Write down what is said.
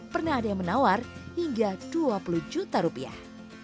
pernah ada yang menawar hingga dua puluh juta rupiah